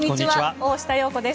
大下容子です。